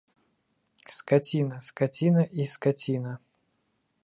Скаціна, скаціна і скаціна!